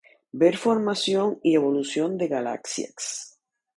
Ver formación y evolución de galaxias.